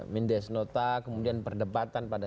mindes nota kemudian perdebatan pada